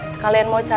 sekalian mau cari buku